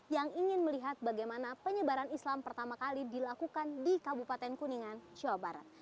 yang ingin melihat bagaimana penyebaran islam pertama kali dilakukan di kabupaten kuningan jawa barat